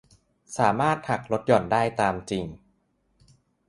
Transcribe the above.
สามารถหักลดหย่อนได้ตามจริง